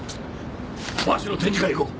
和紙の展示会行こう。